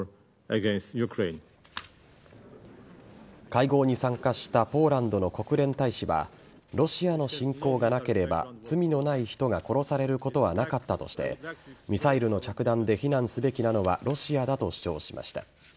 会合に参加したポーランドの国連大使はロシアの侵攻がなければ罪のない人が殺されることはなかったとしてミサイルの着弾で非難すべきなのはロシアだと主張しました。